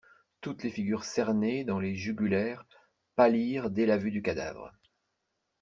Toutes les figures cernées dans les jugulaires pâlirent dès la vue du cadavre.